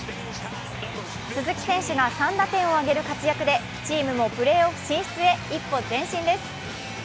鈴木選手が３打点を挙げる活躍でチームもプレーオフ進出へ一歩前進です。